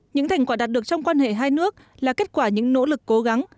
những thành quả đạt được trong quan hệ hai nước là kết quả những nỗ lực cố gắng